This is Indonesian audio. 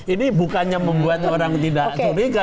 ini bukannya membuat orang tidak curiga